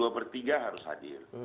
dua per tiga harus hadir